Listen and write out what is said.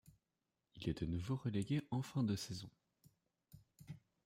Il est de nouveau relégué en fin de saison.